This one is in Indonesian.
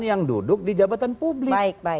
yang duduk di jabatan publik